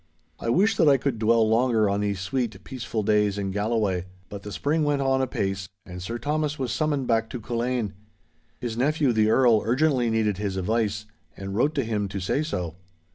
I wish that I could dwell longer on these sweet, peaceful days in Galloway, but the spring went on apace, and Sir Thomas was summoned back to Culzean. His nephew the Earl urgently needed his advice, and wrote to him to say so.